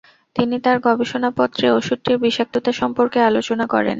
তিনি তার গবেষণা পত্রে ওষুধটির বিষাক্ততা সম্পর্কে আলোচনা করেন।